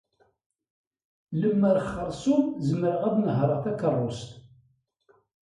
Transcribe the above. Lemer xeṛṣum zemreɣ ad nehṛeɣ takeṛṛust.